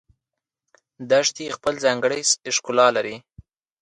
دښتې خپل ځانګړی ښکلا لري